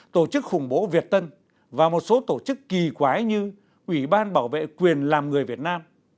tổ chức khủng bố việt tân và một số tổ chức kỳ quái như ủy ban bảo vệ quyền làm người việt nam